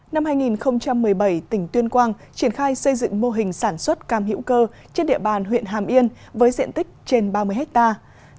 năm hai nghìn một mươi bảy tỉnh tuyên quang triển khai xây dựng mô hình sản xuất cam hữu cơ trên địa bàn huyện hàm yên với diện tích trên ba mươi hectare